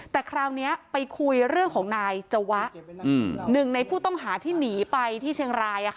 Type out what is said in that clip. แต่คราวนี้ไปคุยเรื่องของนายจวะหนึ่งในผู้ต้องหาที่หนีไปที่เชียงราย